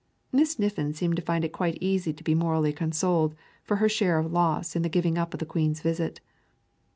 Miss Niffin seemed to find it quite easy to be morally consoled for her share of loss in the giving up of the Queen's visit.